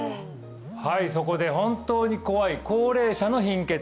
はいそこで本当に怖い高齢者の貧血